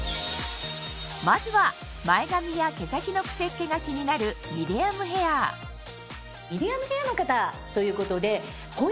まずは前髪や毛先のくせっ毛が気になるミディアムヘアまず。